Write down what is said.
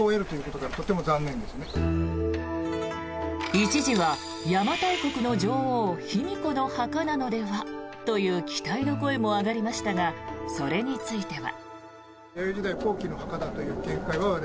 一時は邪馬台国の女王卑弥呼の墓なのではという期待の声も上がりましたがそれについては。